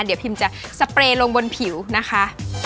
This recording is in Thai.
เดี๋ยวพิมจะสเปรย์ลงบนผิวนะคะ